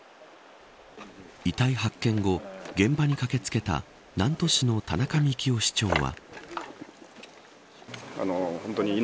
遺体発見後現場に駆け付けた南砺市の田中幹夫市長は。